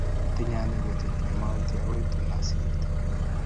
Atinye ane betut nimautie akoi tun asirte.